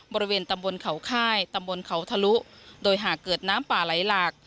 บริเวณตำบลเขาค่ายตำบลเขาทะลุโดยหากเกิดน้ำป่าไหลหลาก